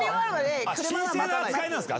神聖な扱いなんですか？